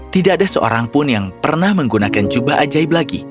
tidak ada seorang pun yang pernah menggunakan jubah ajaib lagi